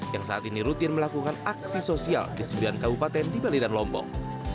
yang saat ini rutin melakukan aksi sosial di sembilan kabupaten di bali dan lombok